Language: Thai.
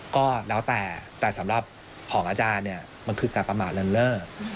ก็แล้วแต่แต่สำหรับของอาจารย์มันคือการประมาทเริ่ม